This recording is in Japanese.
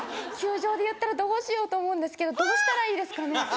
球場で言ったらどうしよう？と思うんですけどどうしたらいいですかね？